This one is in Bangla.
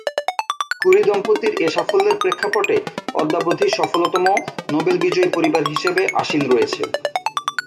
ক্যুরি দম্পতির এ সাফল্যের প্রেক্ষাপটে অদ্যাবধি সফলতম নোবেল বিজয়ী পরিবার হিসেবে আসীন রয়েছে।